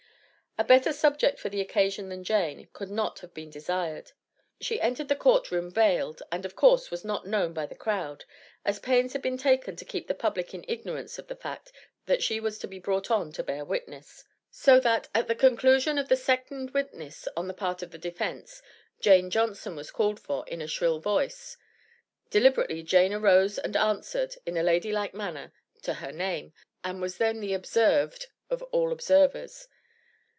A better subject for the occasion than Jane, could not have been desired. She entered the court room veiled, and of course was not known by the crowd, as pains had been taken to keep the public in ignorance of the fact, that she was to be brought on to bear witness. So that, at the conclusion of the second witness on the part of the defense, "Jane Johnson" was called for, in a shrill voice. Deliberately, Jane arose and answered, in a lady like manner to her name, and was then the observed of all observers.